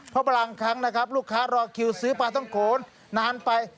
เพราะพลังครั้งลูกค้ารอคิวซื้อปลาท้องโกนนานไป